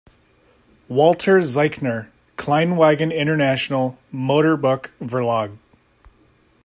Walter Zeichner: Kleinwagen International, Motorbuch-Verlag.